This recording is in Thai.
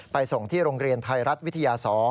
ส่งที่โรงเรียนไทยรัฐวิทยา๒